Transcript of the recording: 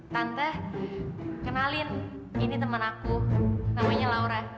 tante kenalin ini teman aku namanya laura